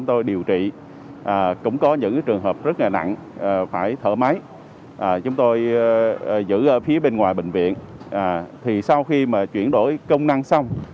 thì cũng không được phép cản trở